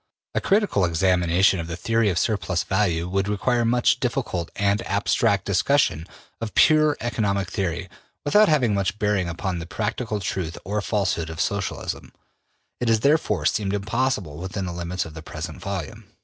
A critical examination of the theory of surplus value would require much difficult and abstract discussion of pure economic theory without having much bearing upon the practical truth or falsehood of Socialism; it has therefore seemed impossible within the limits of the present volume.